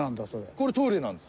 これトイレなんです。